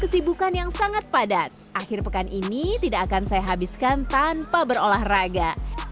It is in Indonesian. kesibukan yang sangat padat akhir pekan ini tidak akan saya habiskan tanpa berolahraga